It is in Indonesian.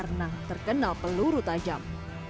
karena terkenal peluru tajam